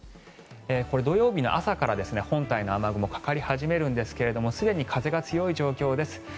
これは土曜日の朝から本体の雨雲がかかり始めるんですがすでに風が強い状況です。